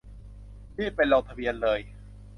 รีบไปลงทะเบียนเลย